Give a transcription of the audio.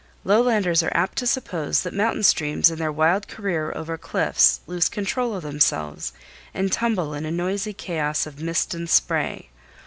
Lowlanders are apt to suppose that mountain streams in their wild career over cliffs lose control of themselves and tumble in a noisy chaos of mist and spray.